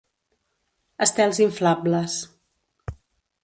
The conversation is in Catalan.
Estels inflables: